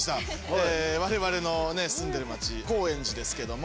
え我々の住んでる街高円寺ですけども。